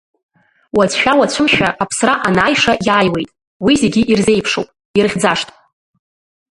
Уацәшәа-уацәымшәа, аԥсра анааиша иааиуеит, уи зегьы ирзеиԥшуп, ирыхьӡашт.